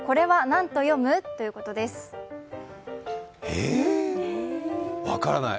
えーっ、分からない。